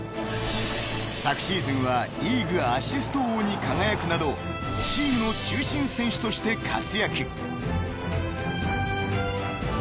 ［昨シーズンはリーグアシスト王に輝くなどチームの中心選手として活躍］